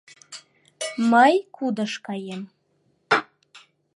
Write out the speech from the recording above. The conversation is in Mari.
Мый кудыш каем.